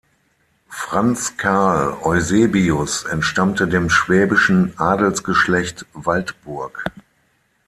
Franz Karl Eusebius entstammte dem schwäbischen Adelsgeschlecht Waldburg.